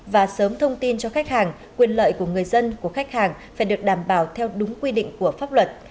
và sớm thông tin cho khách hàng quyền lợi của người dân của khách hàng phải được đảm bảo theo đúng quy định của pháp luật